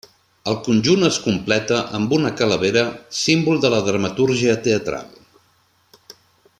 El conjunt es completa amb una calavera símbol de la dramatúrgia teatral.